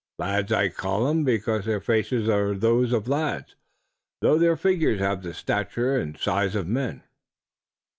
Lads, I call 'em because their faces are those of lads, though their figures have the stature and size of men."